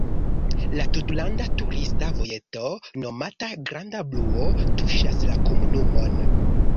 La tutlanda turista vojeto nomata granda bluo tuŝas la komunumon.